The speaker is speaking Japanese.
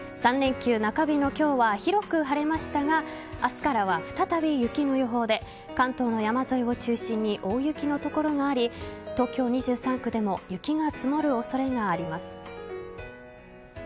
３連休中日の今日は広く晴れましたが明日からは再び雪の予報で関東の山沿いを中心に大雪の所もあり東京２３区でも雪が積もる恐れがあります。